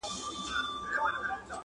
زۀ خپله خان یمه خان څۀ ته وایي .